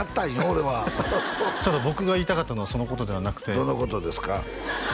俺はただ僕が言いたかったのはそのことではなくてどのことですか？